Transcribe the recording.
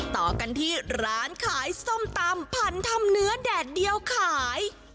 ต่อกันที่ร้านขายส้มตำพันทำเนื้อแดดเดียวขาย